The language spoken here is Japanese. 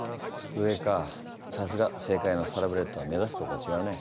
上かさすが政界のサラブレッドは目指すとこが違うね。